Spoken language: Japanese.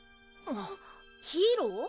ヒーロー？